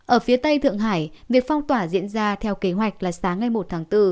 ở phía tây thượng hải việc phong tỏa diễn ra theo kế hoạch là sáng ngày một tháng bốn